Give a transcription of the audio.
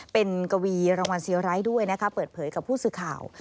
เป็นกวีรางวัลเซียไร้ด้วยนะคะเปิดเผยกับผู้สื่อข่าว